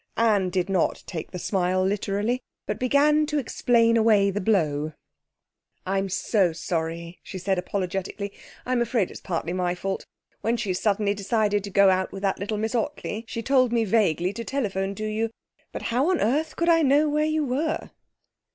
Anne did not take the smile literally, but began to explain away the blow. 'I'm so sorry,' she said apologetically. 'I'm afraid it's partly my fault. When she suddenly decided to go out with that little Mrs Ottley, she told me vaguely to telephone to you. But how on earth could I know where you were?'